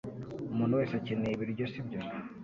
Umuntu wese akeneye ibiryo sibyo